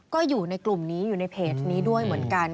ก็อยู่ในกลุ่มนี้อยู่ในเพจนี้ด้วยเหมือนกัน